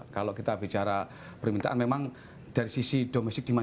kalau kita bicara permintaan memang dari sisi domestic demand